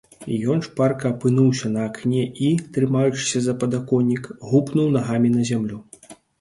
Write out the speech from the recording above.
Ён шпарка апынуўся на акне і, трымаючыся за падаконнік, гупнуў нагамі на зямлю.